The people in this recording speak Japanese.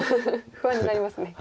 不安になりますね。